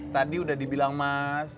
tadi udah dibilang mas